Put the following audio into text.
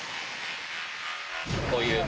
こういう。